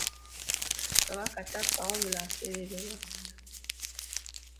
Kabaka tafa wabula aseerera oba abula.